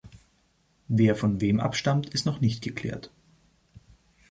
Wer von wem abstammt ist noch nicht geklärt.